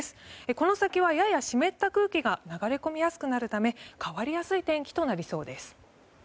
この先はやや湿った空気が流れやすくなるため変わりやすい天気となりそうです。